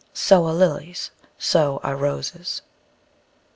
So are lilies, so are roses!